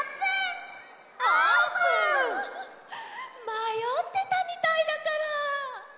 まよってたみたいだから。